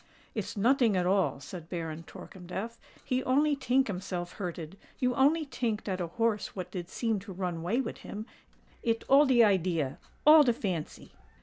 "It's noting at all," said Baron Torkemdef: "he only tink himself hurted—you only tink dat a horse what did seem to run way wid him:—it all de idea—all de fancy."